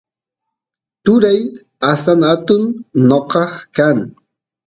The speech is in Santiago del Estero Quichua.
turay astan atun noqa kan